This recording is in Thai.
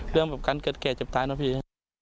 เรื่องแบบการเกิดแก่เจ็บตายนะพี่